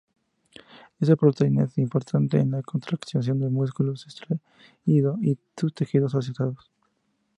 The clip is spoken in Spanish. Esta proteína es importante en la contracción del músculo estriado y sus tejidos asociados.